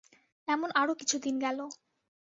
এমন আরো কিছু দিন গেল।